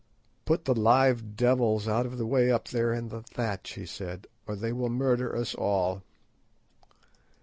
"Put the live devils out of the way up there in the thatch," he said, "or they will murder us all."